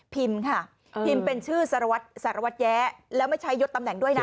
พิมพ์ค่ะพิมพ์เป็นชื่อสารวัตรแย้แล้วไม่ใช้ยศตำแหน่งด้วยนะ